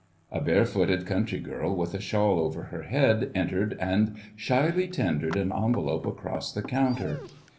A barefooted country girl with a shawl over her head entered and shyly tendered an envelope across the counter.